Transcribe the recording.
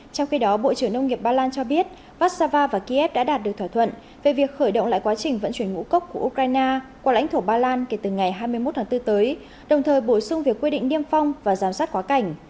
trong khi đó bộ trưởng nông nghiệp ba lan cho biết bashava và kiev đã đạt được thỏa thuận về việc khởi động lại quá trình vận chuyển ngũ cốc của ukraine qua lãnh thổ ba lan kể từ ngày hai mươi một tháng bốn tới đồng thời bổ sung việc quy định niêm phong và giám sát quá cảnh